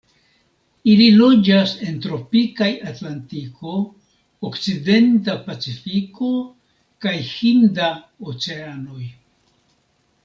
Ili loĝas en tropikaj Atlantiko, okcidenta Pacifiko kaj Hinda Oceanoj.